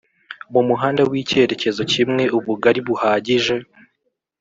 Mumuhanda w’icyerekezo kimwe ubugari buhagije